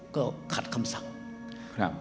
ก็ขัดคำสั่ง